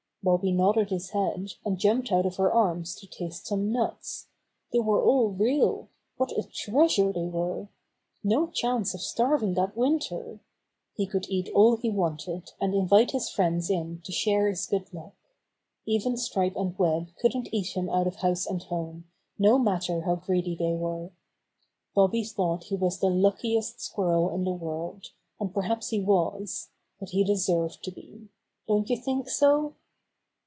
Bobby nodded his head, and jumped out of her arms to taste some nuts. They were all real! What a treasure they were! No chance of starving that winter! He could eat all he Bobby's Great Surprise 135 wanted, and Invite his friends in to share his good luck. Even Stripe and Web couldn't eat him out of house and home, no matter how greedy they were. Bobby thought he was the luckiest squirrel in the world, and perhaps he was ; but he deserved to be. Don't you think so?